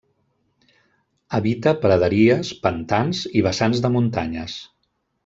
Habita praderies, pantans i vessants de muntanyes.